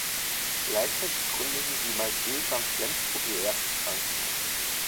Gleichzeitig gründeten die Malteser in Flensburg ihr erstes Krankenhaus.